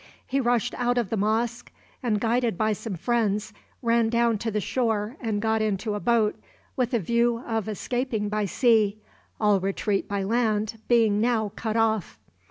He rushed out of the mosque, and, guided by some friends, ran down to the shore and got into a boat, with a view of escaping by sea, all retreat by land being now cut off.